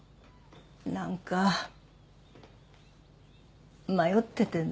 なんか迷っててね